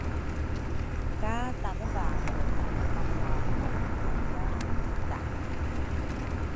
ka Tanebake paungwagugu ka acilay.